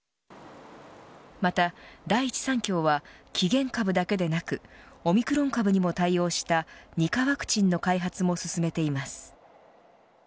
また第一三共は起源株だけではなくオミクロン株にも対応した２価ワクチンの開発も進めています。